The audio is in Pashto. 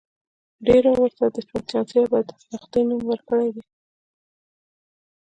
ډېرو ورته د بدچانسۍ او بدبختۍ نوم ورکړی دی.